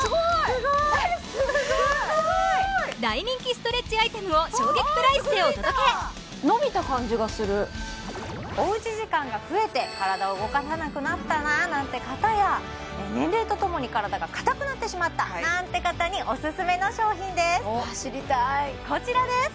すごーい大人気ストレッチアイテムを衝撃プライスでお届けおうち時間が増えて体を動かさなくなったななんて方や年齢とともに体が硬くなってしまったなんて方にオススメの商品ですわ知りたいこちらです